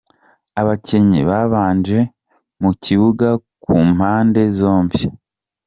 Abakinnyi babanje mu kibuga ku mpamde zombi.